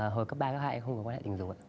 hồi cấp ba cấp hai em không có quan hệ tình dục